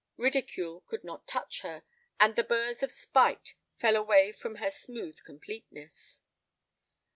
Ridicule could not touch her, and the burrs of spite fell away from her smooth completeness.